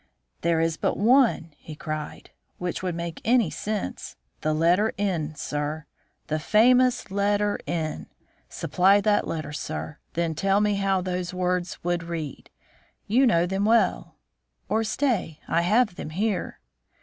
"There is but one," he cried, "which would make any sense; the letter N, sir, the famous letter N. Supply that letter, sir; then tell me how those words would read. You know them well, or, stay, I have them here."